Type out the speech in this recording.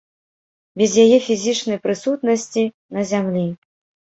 Без яе фізічнай прысутнасці на зямлі.